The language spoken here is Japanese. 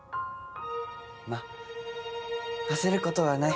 まっ焦ることはない。